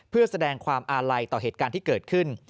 เพื่อแสดงความอาลัยต่อเหตุการณ์ที่เกิดขึ้น